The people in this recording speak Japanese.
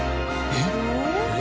えっ？